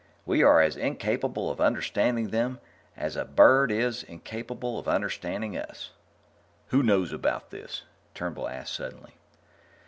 We are as incapable of understanding them as a bird is incapable of understanding us." "Who knows about this?" Turnbull asked suddenly.